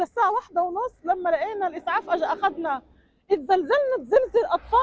saya menjaga mereka